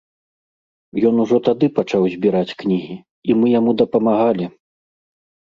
Ён ужо тады пачаў збіраць кнігі, і мы яму дапамагалі.